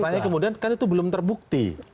makanya kemudian kan itu belum terbukti